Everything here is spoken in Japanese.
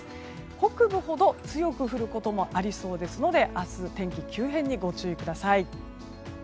北部ほど強く降ることもありそうですので明日、天気の急変にご注意ください。